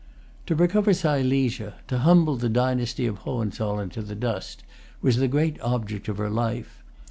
To recover Silesia, to humble the dynasty of Hohenzollern to the dust, was the great object of her life.